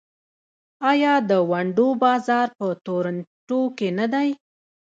آیا د ونډو بازار په تورنټو کې نه دی؟